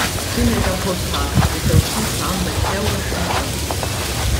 Kien irrapurtat li ż-żewġ nisa ammettew l-akkuża.